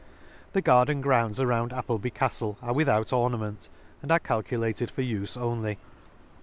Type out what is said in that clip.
The garden grounds around Appleby caflle are without ornament, and are cal culated for ufe only.